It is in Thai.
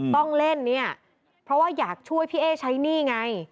ต้องเล่นเนี่ยเพราะว่าอยากช่วยพี่เอ๊ใช้หนี้ไง